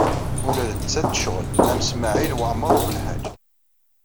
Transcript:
Ula d nettat tecɣel am Smawil Waɛmaṛ U Belḥaǧ.